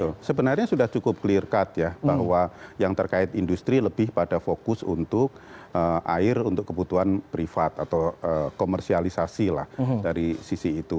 betul sebenarnya sudah cukup clear cut ya bahwa yang terkait industri lebih pada fokus untuk air untuk kebutuhan privat atau komersialisasi lah dari sisi itu